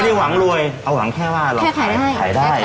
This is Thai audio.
หวังรวยเอาหวังแค่ว่าเราแค่ขายได้